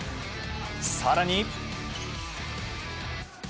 更に。